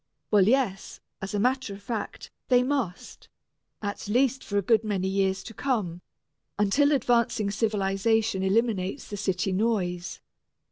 Well, yes, as a matter of fact they must, at least for a good many years to come, until advancing civilization eliminates the city noise.